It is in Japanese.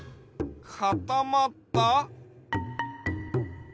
かたまった？